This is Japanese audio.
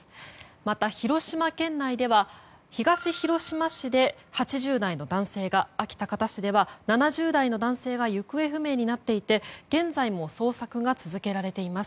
また、広島県内では東広島市で８０代の男性が安芸高田市では７０代の男性が行方不明になっていて現在も捜索が続けられています。